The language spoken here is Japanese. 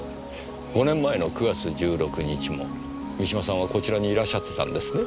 ５年前の９月１６日も三島さんはこちらにいらっしゃってたんですね？